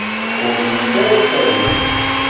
Ur llint ara ttarunt.